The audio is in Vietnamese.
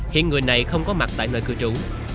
hiện người này không có mặt tại nơi cư trú